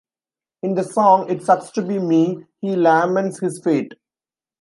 In the song "It Sucks to Be Me", he laments his fate.